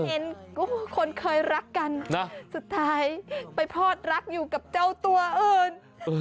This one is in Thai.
เห็นคนเคยรักกันสุดท้ายไปพอดรักอยู่กับเจ้าตัวอื่น